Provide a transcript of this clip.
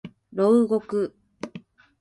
牢獄